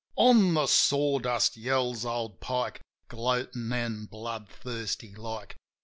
"On the sawdust!" yells old Pike, Gloatin' an' bloodthirsty like.